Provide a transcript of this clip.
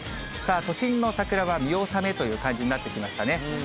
都心の桜は見納めという感じになってきましたね。